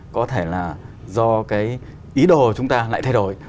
có thể là do cái ý đồ chúng ta lại thay đổi